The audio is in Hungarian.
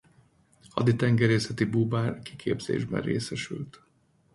Haditengerészeti búvár kiképzésben részesült.